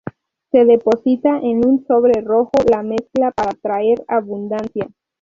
Se deposita en un sobre rojo la mezcla para traer abundancia.